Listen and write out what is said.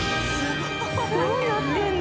どうやってるの？